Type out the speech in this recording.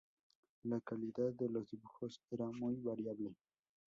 La calidad de los dibujos era muy variable.